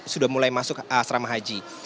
sudah mulai masuk asrama haji